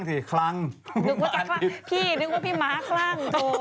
นึกว่าพี่นึกว่าพี่ม้าคลั่ง